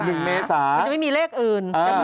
มันจะไม่มีเลขอื่น